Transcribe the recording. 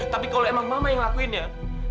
tapi kalau emang mama yang lakuinnya